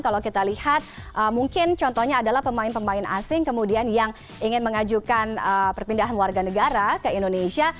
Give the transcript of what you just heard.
kalau kita lihat mungkin contohnya adalah pemain pemain asing kemudian yang ingin mengajukan perpindahan warga negara ke indonesia